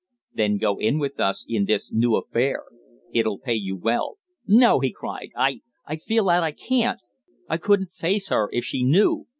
"Then go in with us in this new affair. It'll pay you well." "No," he cried. "I I feel that I can't! I couldn't face her, if she knew.